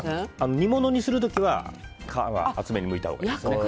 煮物にする時は皮は厚めにむいたほうがいいんです。